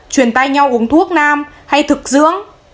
chuyển tay nhau uống thuốc nam hay thực dưỡng